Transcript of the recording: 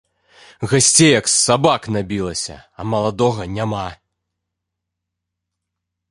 Гасцей як сабак набілася, а маладога няма.